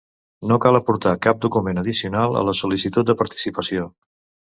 No cal aportar cap document addicional a la sol·licitud de participació.